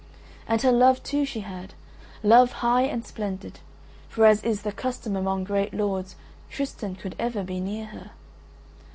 And her love too she had, love high and splendid, for as is the custom among great lords, Tristan could ever be near her.